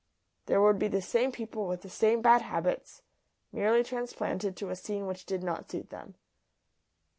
There would be the same people with the same bad habits, merely transplanted to a scene which did not suit them.